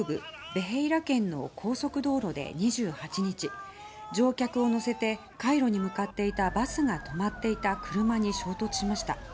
ベヘイラ県の高速道路で２８日乗客を乗せてカイロに向かっていたバスが止まっていた車に衝突しました。